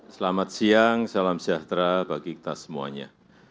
selamat siang salam sejahtera bagi kita semuanya